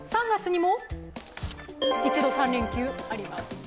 ３月にも１度３連休あります。